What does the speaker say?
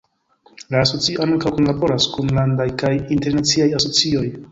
La asocio ankaŭ kunlaboras kun landaj kaj internaciaj asocioj.